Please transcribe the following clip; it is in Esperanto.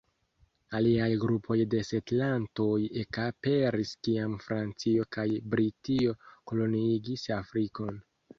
Aliaj grupoj de setlantoj ekaperis kiam Francio kaj Britio koloniigis Afrikon.